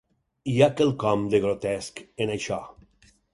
Hi ha quelcom de grotesc en això.